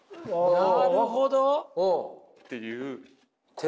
なるほど！っていう。